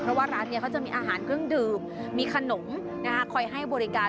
เพราะว่าร้านนี้เขาจะมีอาหารเครื่องดื่มมีขนมคอยให้บริการ